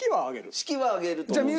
式は挙げると思う。